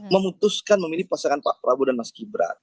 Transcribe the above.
memutuskan memilih pasangan pak prabowo dan mas gibran